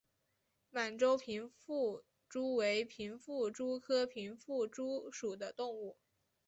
满洲平腹蛛为平腹蛛科平腹蛛属的动物。